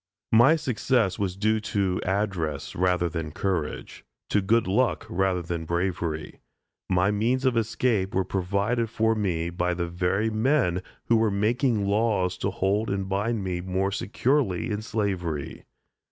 My success was due to address rather than courage; to good luck rather than bravery. My means of escape were provided for me by the very men who were making laws to hold and bind me more securely in slavery.